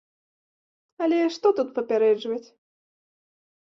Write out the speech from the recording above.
Але што тут папярэджваць?